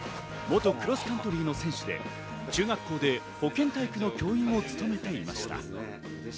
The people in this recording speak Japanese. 元クロスカントリーの選手で、中学校で保健体育の教員を務めていました。